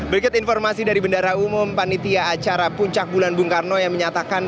berikut informasi dari bendara umum panitia acara puncak bulan bung karno yang menyatakan